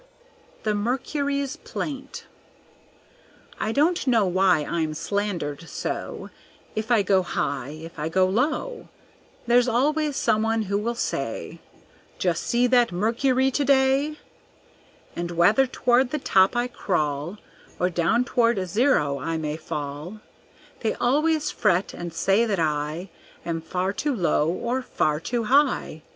The Mercury's Plaint I don't know why I'm slandered so, If I go high, if I go low, There's always some one who will say, "Just see that mercury to day!" And whether toward the top I crawl Or down toward zero I may fall, They always fret, and say that I Am far too low or far too high.